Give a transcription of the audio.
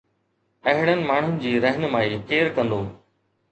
اهڙن ماڻهن جي رهنمائي ڪير ڪندو؟